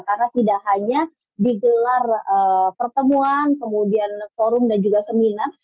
karena tidak hanya digelar pertemuan kemudian forum dan juga seminar